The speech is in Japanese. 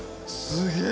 ・すげえ。